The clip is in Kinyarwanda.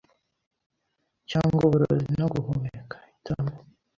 Cyangwa uburozi no guhumeka?hitamo